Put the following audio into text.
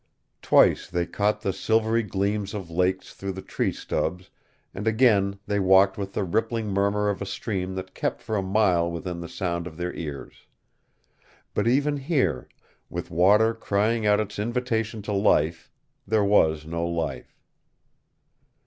Twice they caught the silvery gleam of lakes through the tree stubs, and again they walked with the rippling murmur of a stream that kept for a mile within the sound of their ears. But even here, with water crying out its invitation to life, there was no life.